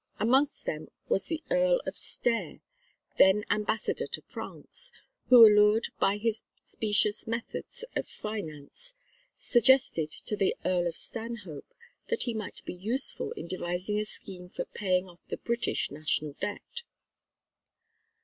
Amongst them was the Earl of Stair, then Ambassador to France, who allured by his specious methods of finance, suggested to the Earl of Stanhope that he might be useful in devising a scheme for paying off the British National Debt.